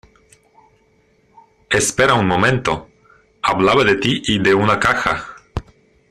espera un momento. hablaba de ti y de una caja,